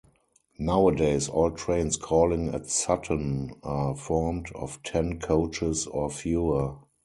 Nowadays all trains calling at Sutton are formed of ten coaches or fewer.